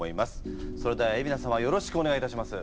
それでは海老名様よろしくお願いいたします。